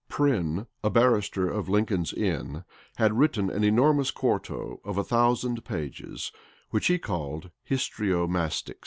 Prynne, a barrister of Lincoln's Inn, had written an enormous quarto of a thousand pages, which he called Histrio Mastyx.